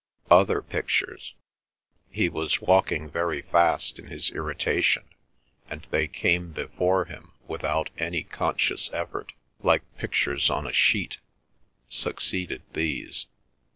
Other pictures—he was walking very fast in his irritation, and they came before him without any conscious effort, like pictures on a sheet—succeeded these.